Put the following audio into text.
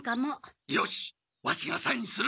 よしワシがサインする！